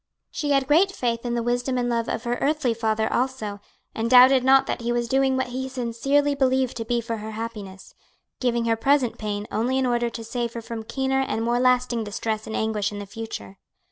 She had great faith in the wisdom and love of her earthly father also, and doubted not that he was doing what he sincerely believed to be for her happiness, giving her present pain only in order to save her from keener and more lasting distress and anguish in the future.